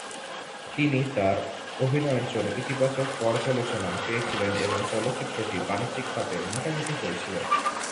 তিনি তাঁর অভিনয়ের জন্য ইতিবাচক পর্যালোচনা পেয়েছিলেন এবং চলচ্চিত্রটি বাণিজ্যিকভাবে মোটামুটি চলেছিল।